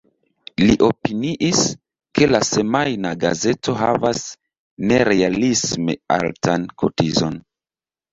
Li opiniis, ke la semajna gazeto havas nerealisme altan kotizon.